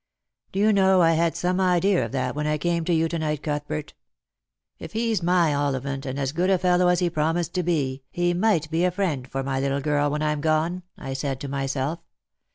" Do you know I had some idea of that when I came to you to night, Cuthbert ? If he's my Ollivant, and as good a fellow as he promised to be, he might be a friend for my little girl when I'm gone, I said to myself.